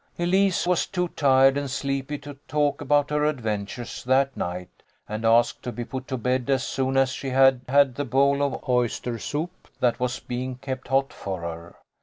Elise was too tired and sleepy to talk about her adventures that night, and asked to be put to bed as soon as she had had the bowl of oyster soup that was being kept hot for her.